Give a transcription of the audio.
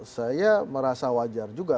saya merasa wajar juga